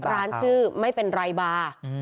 ร้านชื่อไม่เป็นไรบาร์